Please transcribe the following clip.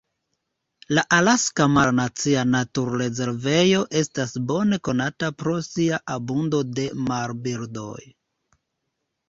La Alaska Mara Nacia Naturrezervejo estas bone konata pro sia abundo de marbirdoj.